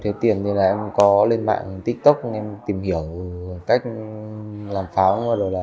thế tiền thì là em có lên mạng tiktok em tìm hiểu cách làm pháo